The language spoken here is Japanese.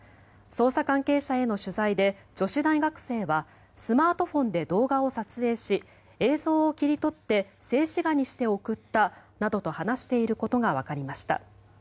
捜査関係者への取材で女子大学生はスマートフォンで動画を撮影し映像を切り取って静止画にして送ったなどと話していることがわかりました。